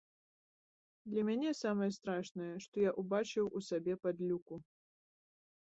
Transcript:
Для мяне самае страшнае, што я ўбачыў у сабе падлюку.